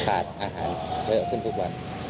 อาหารเยอะขึ้นทุกวัน